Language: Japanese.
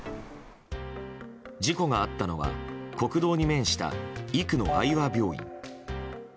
事故があったのは国道に面した生野愛和病院。